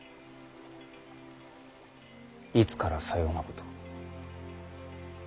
いつからさようなことを？